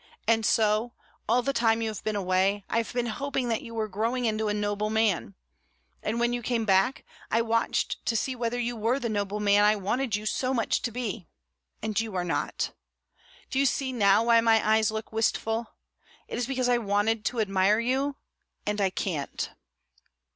And so, all the time you have been away, I have been hoping that you were growing into a noble man; and when you came back, I watched to see whether you were the noble man I wanted you so much to be, and you are not. Do you see now why my eyes look wistful? It is because I wanted to admire you, and I can't."